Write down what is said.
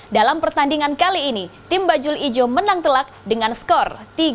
dalam pertandingan kali ini tim bajul ijo menang telak dengan skor tiga satu